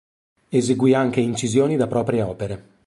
Eseguì anche incisioni da proprie opere.